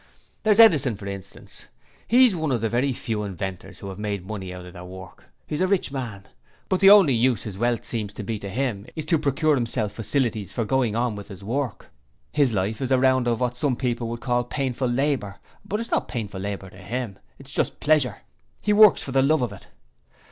There's Edison for instance. He is one of the very few inventors who have made money out of their work; he is a rich man, but the only use his wealth seems to be to him is to procure himself facilities for going on with his work; his life is a round of what some people would call painful labour: but it is not painful labour to him; it's just pleasure, he works for the love of it.